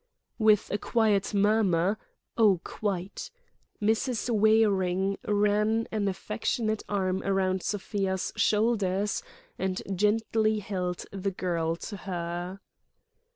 With a quiet murmur—"Oh, quite!"—Mrs. Waring ran an affectionate arm round Sofia's shoulders and gently held the girl to her.